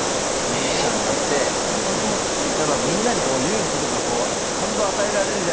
ミュージシャンになってやっぱみんなに勇気とか感動を与えられるじゃないですか。